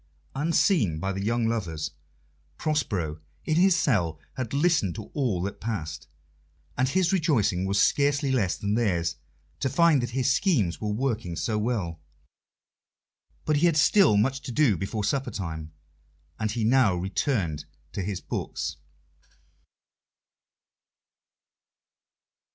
Unseen by the young lovers, Prospero, in his cell, had listened to all that passed, and his rejoicing was scarcely less than theirs to find that his schemes were working so well. But he had still much to do before supper time, and he now returned to his books.